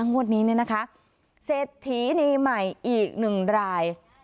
งวดนี้เนี่ยนะคะเศรษฐีนีใหม่อีกหนึ่งราย